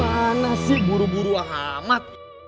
mau kemana sih buruh buruh ahmad